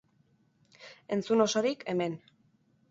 Entzun osorik, hemen!